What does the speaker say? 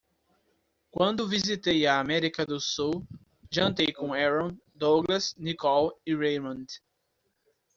Quando visitei a América do Sul, jantei com Aaron, Douglas, Nicole e Raymond.